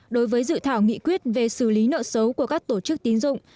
đối với dự thảo nghị quyết về xử lý nợ xấu của các tổ chức tín dụng